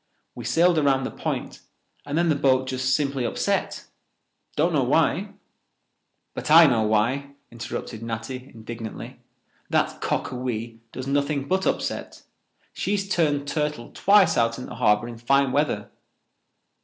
We sailed around the point and then the boat just simply upset—don't know why—" "But I know why," interrupted Natty indignantly. "That Cockawee does nothing but upset. She has turned turtle twice out in the harbour in fine weather.